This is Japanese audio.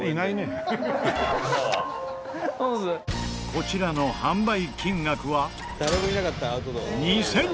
こちらの販売金額は。